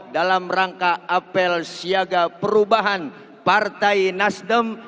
dalam rangka apel siaga perubahan partai nasdem